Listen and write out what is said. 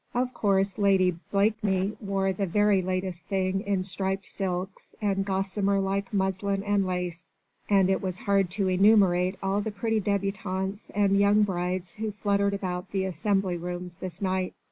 Of course Lady Blakeney wore the very latest thing in striped silks and gossamer like muslin and lace, and it was hard to enumerate all the pretty débutantes and young brides who fluttered about the Assembly Rooms this night.